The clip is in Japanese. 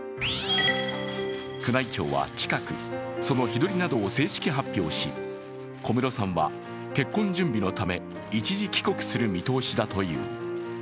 宮内庁は近く、その日取りなどを正式発表し、小室さんは結婚準備のため一時帰国する見通しだという。